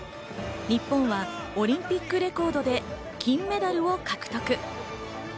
日本はオリンピックレコードで金メダルを獲得。